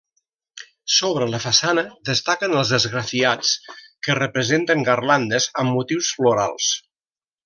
Sobre la façana destaquen els esgrafiats que representen garlandes amb motius florals.